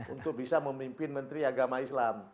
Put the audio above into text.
untuk bisa memimpin menteri agama islam